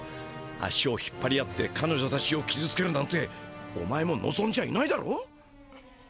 足をひっぱり合って彼女たちをきずつけるなんてお前ものぞんじゃいないだろ。